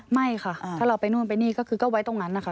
ไม่ค่ะถ้าเราไปนู่นไปนี่ก็คือก็ไว้ตรงนั้นนะคะ